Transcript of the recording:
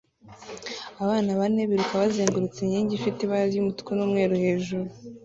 Abana bane biruka bazengurutse inkingi ifite ibara ry'umutuku n'umweru hejuru